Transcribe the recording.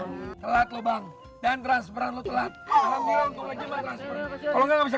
hai telat lubang dan transparan lu telat alhamdulillah untuk aja makasih kalau nggak bisa